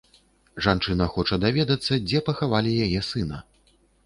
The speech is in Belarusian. Жанчына хоча даведацца, дзе пахавалі яе сына.